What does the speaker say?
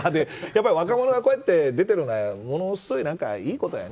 やっぱり若者がこうやって出ているのはものすごいいいことだよね。